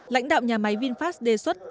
lãnh đạo nhà máy vinfast đề xuất